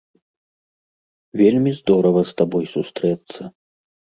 Вельмі здорава з табой сустрэцца.